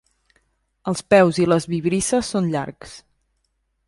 Els peus i les vibrisses són llargs.